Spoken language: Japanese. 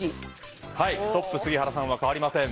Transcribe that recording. トップ杉原さんは変わりません。